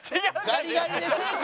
「ガリガリ」で正解？